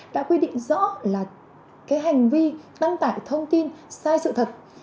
đã quy định rõ là hành vi tăng tải thông tin sai sự thật